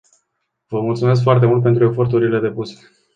Vă mulțumesc foarte mult pentru eforturile depuse.